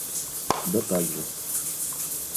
Да так же.